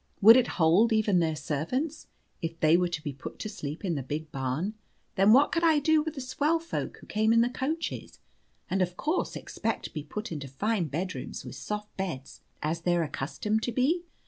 Would it hold even their servants if they were to be put to sleep in the big barn? Then what could I do with the swell folk who came in the coaches, and of course expect to be put into fine bedrooms, with soft beds, as they're accustomed to be?